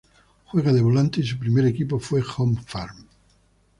Juega de Volante y su primer equipo fue Home Farm.